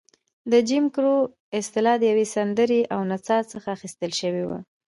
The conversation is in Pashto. د جیم کرو اصطلاح د یوې سندرې او نڅا څخه اخیستل شوې وه.